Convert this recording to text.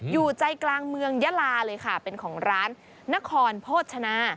อยู่ใจกลางเมืองยาลาเลยค่ะเป็นของร้านนครโภชนา